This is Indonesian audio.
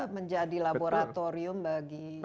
menjadi laboratorium bagi semua